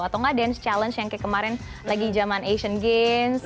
atau gak dance challenge yang kayak kemarin lagi zaman asian games